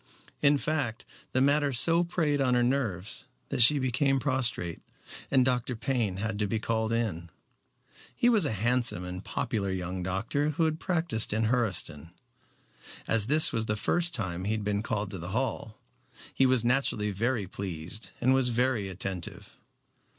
In fact, the matter so preyed on her nerves that she became prostrate, and Dr. Payne had to be called in. He was a handsome and popular young doctor who had practiced in Hurseton. As this was the first time he had been called to the Hall, he was naturally very pleased, and was very attentive.